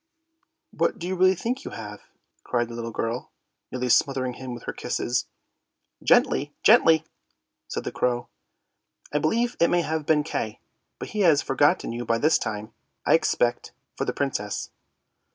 "What, do you really think you have? " cried the little girl, nearly smothering him with her kisses. " Gently, gently! " said the crow. " I believe it may have been Kay, but he has forgotten you by this time, I expect, for the Princess."